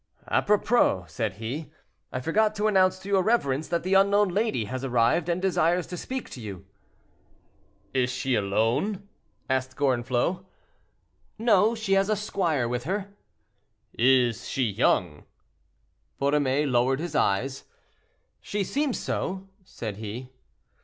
"Apropos," said he, "I forgot to announce to your reverence that the unknown lady has arrived and desires to speak to you." "Is she alone?" asked Gorenflot. "No; she has a squire with her." "Is she young?" Borromée lowered his eyes. "She seems so," said he.